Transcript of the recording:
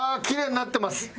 きれいになってます！